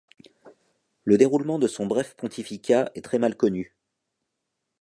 Le déroulement de son bref pontificat est très mal connu.